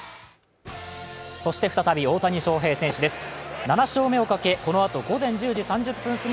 そして再び大谷翔平選手です。